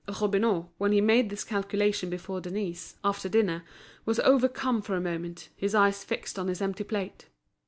Robineau, when he made this calculation before Denise, after dinner, was overcome for a moment, his eyes fixed on his empty plate.